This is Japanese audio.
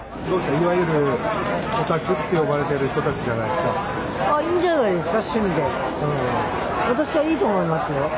いわゆるオタクって呼ばれてる人たちじゃないですか。